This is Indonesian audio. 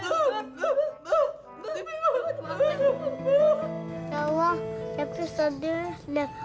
ya allah cepi sedih deh